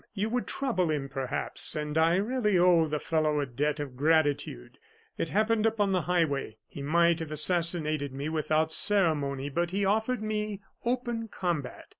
You would trouble him, perhaps; and I really owe the fellow a debt of gratitude. It happened upon the highway; he might have assassinated me without ceremony, but he offered me open combat.